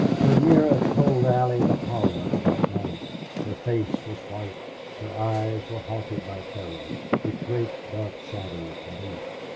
Her mirror told Allie the horror of that night. Her face was white; her eyes were haunted by terrors, with great dark shadows beneath.